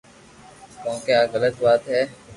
ڪون ڪي آ غلط وات ھي